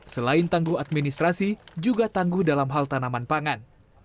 selain tangguh administrasi juga tangguh dalam hal tanaman pangan